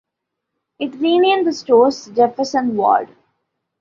It renamed the stores Jefferson Ward.